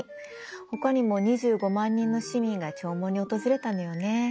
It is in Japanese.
ほかにも２５万人の市民が弔問に訪れたのよね。